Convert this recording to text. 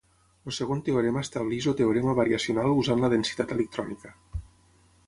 El segon teorema estableix el teorema variacional usant la densitat electrònica.